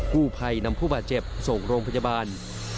ผู้ภัยนำผู้บาดเจ็บส่งโรงพยาบาล